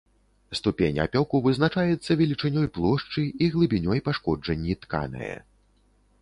Ступень апёку вызначаецца велічынёй плошчы і глыбінёй пашкоджанні тканае.